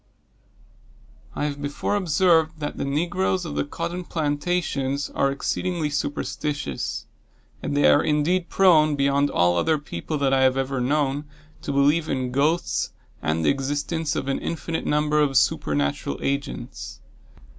I have before observed that the negroes of the cotton plantations are exceedingly superstitious; and they are indeed prone, beyond all other people that I have ever known, to believe in ghosts, and the existence of an infinite number of supernatural agents.